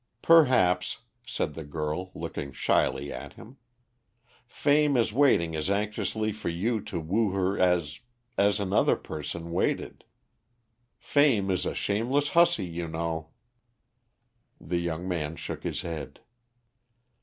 "Perhaps," said the girl, looking shyly at him, "Fame is waiting as anxiously for you to woo her as as another person waited. Fame is a shameless hussy, you know." The young man shook his head.